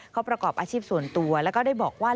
เขาประกอบอาชีพส่วนตัวแล้วก็ได้บอกว่า